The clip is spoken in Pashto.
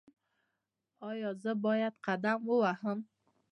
ایا زه باید قدم ووهم؟